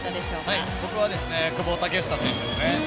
僕は久保建英選手です。